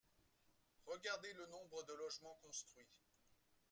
Regardez le nombre de logements construits